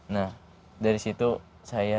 nah dari situ saya